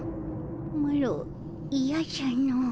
マロいやじゃの。